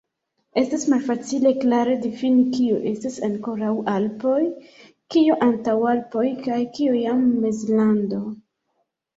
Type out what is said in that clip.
Estas malfacile klare difini, kio estas ankoraŭ Alpoj, kio Antaŭalpoj kaj kio jam Mezlando.